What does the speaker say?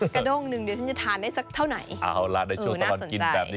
กระด้งหนึ่งเดี๋ยวฉันจะทานได้สักเท่าไหนเอาล่ะในช่วงตลอดกินแบบนี้